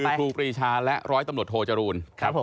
คือครูกรีชาและร้อยตำรดโทจรูน